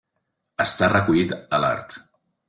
Està recollit a l'art.